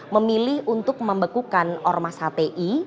memilih untuk membekukan ormas hti